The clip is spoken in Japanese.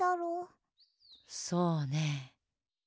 そうね。